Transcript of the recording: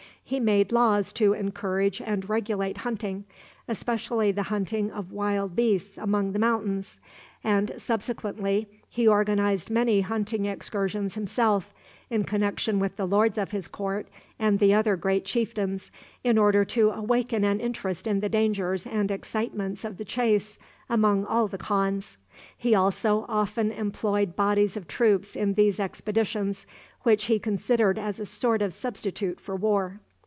He made laws to encourage and regulate hunting, especially the hunting of wild beasts among the mountains; and subsequently he organized many hunting excursions himself, in connection with the lords of his court and the other great chieftains, in order to awaken an interest in the dangers and excitements of the chase among all the khans. He also often employed bodies of troops in these expeditions, which he considered as a sort of substitute for war.